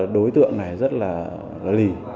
đối tượng này rất là lì